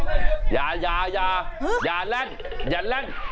อ่ะอย่าอย่าอย่าอย่าแรนอย่าแรน